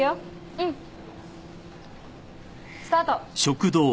うん。スタート。